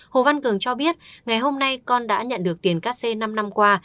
hồ văn cường cho biết ngày hôm nay con đã nhận được tiền cắt xe năm năm qua